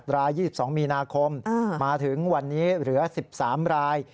ราย๒๒มีนาคมมาถึงวันนี้เหลือ๑๓ราย